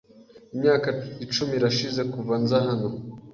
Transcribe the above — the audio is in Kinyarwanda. Imyaka icumi irashize kuva nza hano.